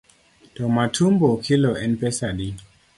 To matumbo kilo en pesa adi?